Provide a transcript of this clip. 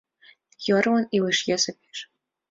Йорлын илыш йӧсӧ пеш